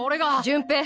潤平！